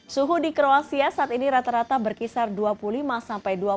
suhu di kroasia saat ini rata rata berkisar dua puluh lima sampai dua puluh